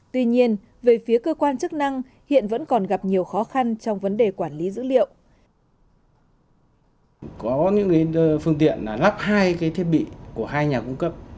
tuy nhiên về phía cơ quan chức năng hiện vẫn còn gặp nhiều khó khăn trong vấn đề quản lý dữ liệu